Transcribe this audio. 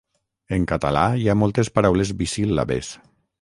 En català hi ha moltes paraules bisíl·labes.